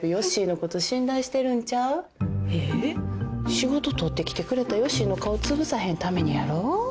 仕事取ってきてくれたヨッシーの顔つぶさへんためにやろ？